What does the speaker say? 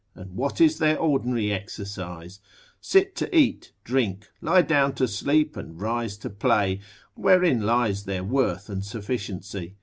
And what is their ordinary exercise? sit to eat, drink, lie down to sleep, and rise to play: wherein lies their worth and sufficiency?